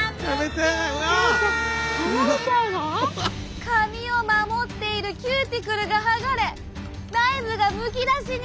剥がれちゃうの？髪を守っているキューティクルが剥がれ内部がむき出しに！